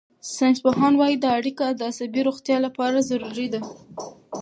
ساینسپوهان وايي دا اړیکه د عصبي روغتیا لپاره ضروري ده.